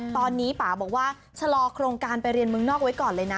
ตอนนี้ป่าบอกว่าชะลอโครงการไปเรียนเมืองนอกไว้ก่อนเลยนะ